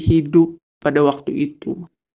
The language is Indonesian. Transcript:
hidup pada waktu itu